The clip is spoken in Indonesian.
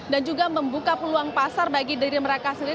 dan juga membuka peluang pasar bagi diri mereka sendiri